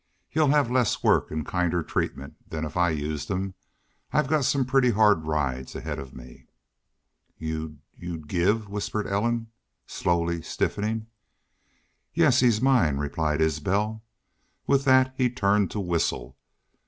He'll have less work and kinder treatment than if I used him. I've got some pretty hard rides ahead of me." "Y'u y'u give " whispered Ellen, slowly stiffening. "Yes. He's mine," replied Isbel. With that he turned to whistle.